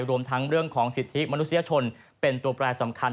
รวมทั้งเรื่องของสิทธิมนุษยชนเป็นตัวแปรสำคัญ